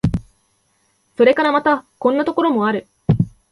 それからまた、こんなところもある。